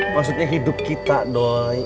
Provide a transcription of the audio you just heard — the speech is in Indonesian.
maksudnya hidup kita doi